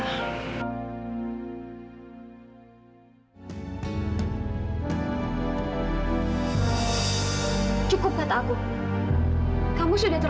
tapi kamu sudah mencari kemampuan untuk mencari kemampuan untuk mencari kemampuan